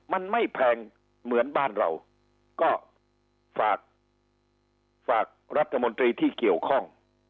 มันไม่แพงเหมือนบ้านเราก็ฝากรัฐมนตรีที่เกี่ยวข้อง